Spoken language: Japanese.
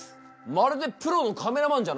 まるでプロのカメラマンじゃないか！